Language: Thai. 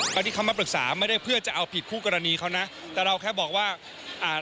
ตอนที่เขามาปรึกษาไม่ได้เพื่อจะเอาผิดคู่กรณีเขานะแต่เราแค่บอกว่าอ่า